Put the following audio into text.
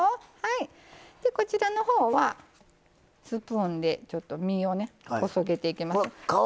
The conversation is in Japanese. こちらのほうはスプーンで実をねこそげていきます。